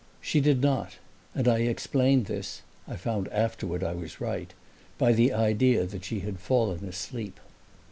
She did not, and I explained this (I found afterward I was right) by the idea that she had fallen asleep.